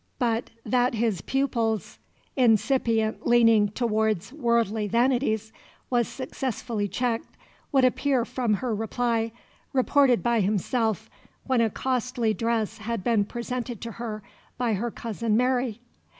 But that his pupil's incipient leaning towards worldly vanities was successfully checked would appear from her reply, reported by himself, when a costly dress had been presented to her by her cousin Mary.